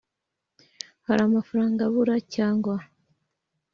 Hari amafaranga abura cyangwa